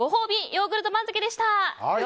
ヨーグルト番付でした。